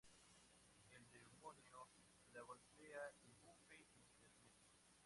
El demonio la golpea y Buffy interviene.